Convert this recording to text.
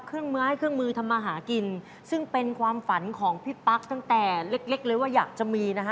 ไม้เครื่องมือทำมาหากินซึ่งเป็นความฝันของพี่ตั๊กตั้งแต่เล็กเล็กเลยว่าอยากจะมีนะฮะ